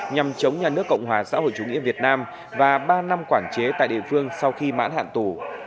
nhằm chống nhà nước cộng hòa xã hội chủ nghĩa việt nam và ba năm quản chế tại địa phương sau khi mãn hạn tù